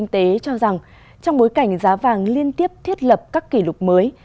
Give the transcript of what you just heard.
trong bối cảnh giá vàng liên tiếp thiết lập các kỷ lục mới